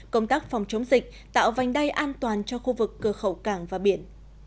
công tác phòng chống dịch tạo vành đai an toàn cho khu vực cơ khẩu cảng và biển